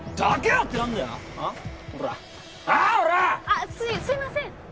あっすいません！